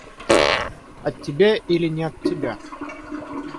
От тебя или не от тебя?